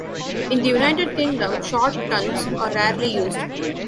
In the United Kingdom, short tons are rarely used.